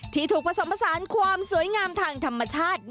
ที่ถูกผสมผสานความสวยงามทางธรรมชาติ